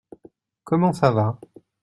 Comment ça va ?